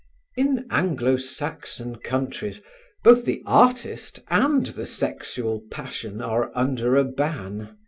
In Anglo Saxon countries both the artist and the sexual passion are under a ban.